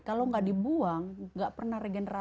kalau nggak dibuang gak pernah regenerasi